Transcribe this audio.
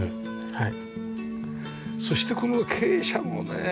はい。